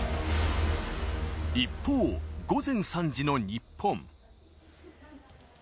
一方、午前３時の日本。